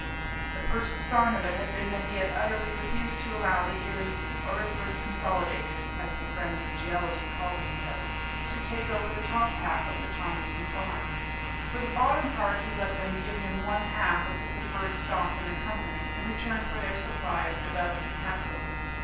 The first sign of it had been that he had utterly refused to allow the Erie Auriferous Consolidated (as the friends of geology called themselves) to take over the top half of the Tomlinson farm. For the bottom part he let them give him one half of the preferred stock in the company in return for their supply of development capital.